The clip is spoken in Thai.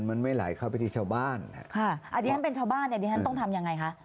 อาทิตย์นั้นเป็นชาวบ้านอาทิตย์นั้นต้องทำอย่างไรคะ